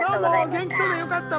元気そうでよかった。